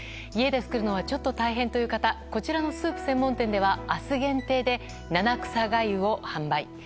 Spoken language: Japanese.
家で作るのはちょっと大変という方こちらのスープ専門店では明日限定で七草がゆを販売。